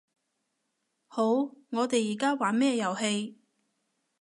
好，我哋而家玩咩遊戲